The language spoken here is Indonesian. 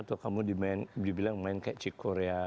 atau kamu dibilang main kayak cik korea